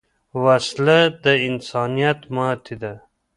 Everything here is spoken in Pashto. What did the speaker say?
وسله د انسانیت ماتې ده